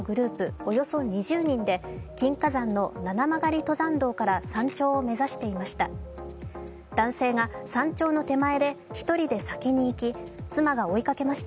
およそ２０人で金華山の七曲り登山道から山頂を目指していました。